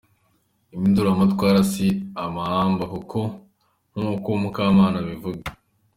Impinduramatwara si amahamba koko nkuko Mukamana abivuga.